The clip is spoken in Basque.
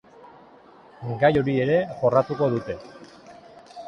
Gai hori ere jorratuko dute.